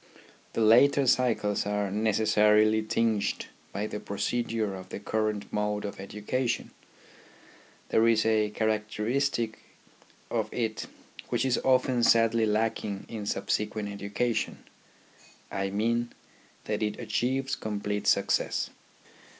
The later cycles are neces sarily tinged by the procedure of the current mode of education. There is a characteristic of it which is often sadly lacking in subsequent education ; I mean, that it achieves complete success.